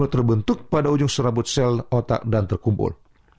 terbentuk pada ujung serabut sel otak dan terkumpul